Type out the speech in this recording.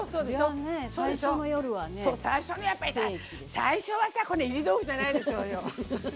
最初はさこんないり豆腐じゃないでしょうよ。